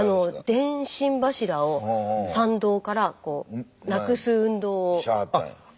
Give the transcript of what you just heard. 電信柱を参道からなくす運動を。